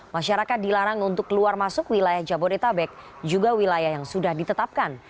masyarakat dilarang untuk keluar masuk wilayah jabodetabek juga wilayah yang sudah ditetapkan